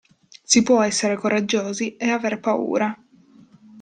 Si può essere coraggiosi e aver paura.